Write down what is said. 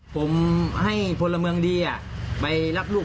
ครับ